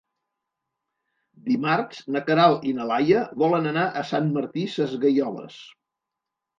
Dimarts na Queralt i na Laia volen anar a Sant Martí Sesgueioles.